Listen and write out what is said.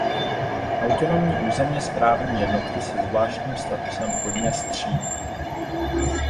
Autonomní územně správní jednotky se zvláštním statusem Podněstří.